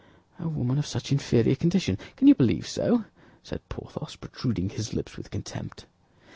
"A woman of such inferior condition! Can you believe so?" said Porthos, protruding his lips with contempt.